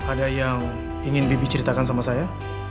ada yang ingin bibi ceritakan sama saya